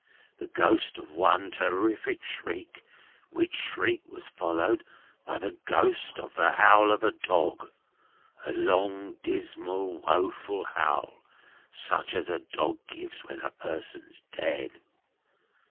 The ghost of one terrific shriek, which shriek was followed by the ghost of the howl of a dog: a long, dismal, woeful howl, such as a dog gives when a person's dead.